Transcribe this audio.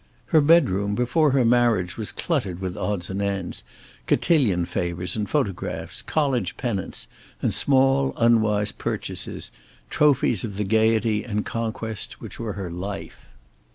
Her bedroom before her marriage was cluttered with odds and ends, cotillion favors and photographs, college pennants and small unwise purchases trophies of the gayety and conquest which were her life.